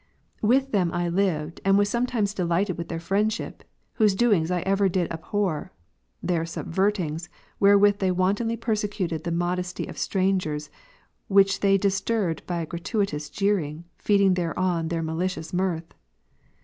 With them I lived, and was sometimes delighted with their friendship, whose doings I ever did abhor, i. e. their " subvertings," wherewith they wantonly persecuted the modesty of strangers, which they disturbed by a gratuitous jeering, feeding thereon their ma licious mirth.